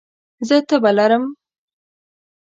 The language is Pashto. زه تبه لرم